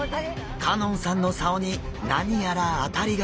香音さんの竿に何やら当たりが！